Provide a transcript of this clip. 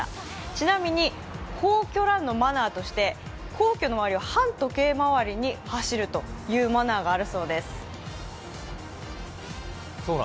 ちなみに、皇居ランのマナーとして皇居の周りは反時計回りに走るというマナーがあるそうです。